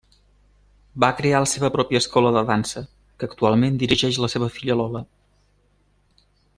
Va crear la seva pròpia escola de dansa, que actualment dirigeix la seva filla Lola.